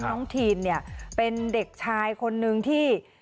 น้องทีนเนี่ยเป็นเด็กชายคนนึงที่